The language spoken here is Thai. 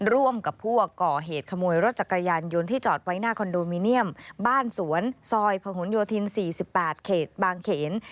ร่วมกับพวกก่อเหตุขโมยรถจักรยานยนต์ที่จอดไว้หน้าคอนโดมิเนียมบ้านสวนซอยพหนโยธิน๔๘เขตบางเขน